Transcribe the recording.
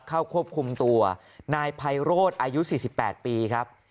เข้าควบคุมตัวนายไพโรธอายุ๔๘ปีครับ